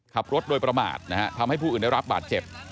ขับรถโดยประมาททำให้ผู้อื่นได้รับบาดเจ็บ